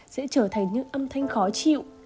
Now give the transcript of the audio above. sẽ trở thành những âm thanh khó chịu